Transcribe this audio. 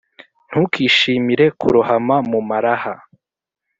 Ntukishimire kurohama mu maraha,